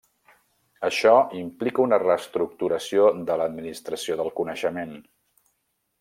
Això implica una reestructuració de l'administració del coneixement.